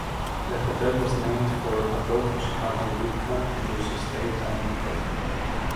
The hotel was named for Adolphus Carter Whitcomb whose estate owned the property.